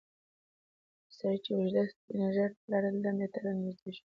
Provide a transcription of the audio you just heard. یو سړی چې اوږده سپینه ږیره یې لرله ډنډ ته رانږدې شو.